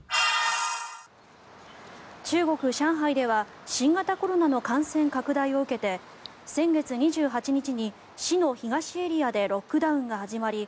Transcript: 中国・上海では新型コロナの感染拡大を受けて先月２８日に市の東エリアでロックダウンが始まり